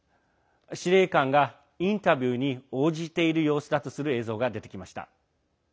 司令官がインタビューに応じている様子だとする映像が出てきました。